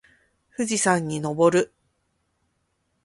富士山に登る